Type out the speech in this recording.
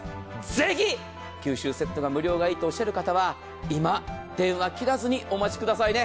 ぜひ九州セットが無料がいいとおっしゃる方は今、電話を切らずにお待ちくださいね。